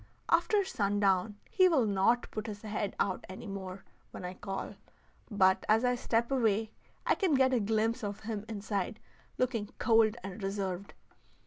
After sundown, he will not put his head out any more when I call, but as I step away I can get a glimpse of him inside looking cold and reserved.